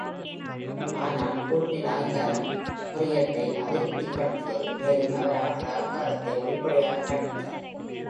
ஆனால் கோட்வின் அகங்காரம் ஹாரியட்டை அதிருப்திப்படுத்தியது, மேலும் அவர் அவனது அகங்காரத்தை வெளிப்படையாகக் கண்டித்தார்.